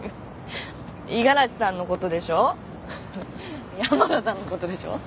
五十嵐さんのことでしょ山賀さんのことでしょフフフ。